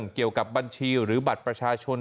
เกี่ยวกับบัญชีหรือบัตรประชาชน